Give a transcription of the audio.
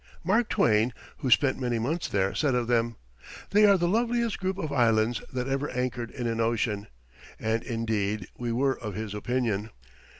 Mark Twain, who spent many months there, said of them, "They are the loveliest group of islands that ever anchored in an ocean," and indeed we were of his opinion.